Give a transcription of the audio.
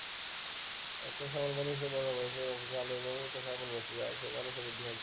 ত "শ্যামল বর্ণের" হিসেবে বর্ণনা করা হয়েছে যার "মুখে আলো এবং চোখে আগুন রয়েছে", যার মানে সে বুদ্ধিমান ছিল।